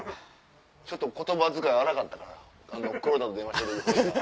ちょっと言葉遣い荒かったから黒田の電話で。